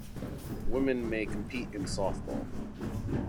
Women may compete in softball.